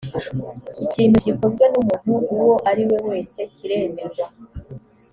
ikintu gikozwe n umuntu uwo ari we wese kiremerwa